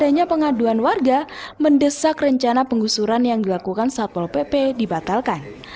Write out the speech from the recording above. adanya pengaduan warga mendesak rencana penggusuran yang dilakukan satpol pp dibatalkan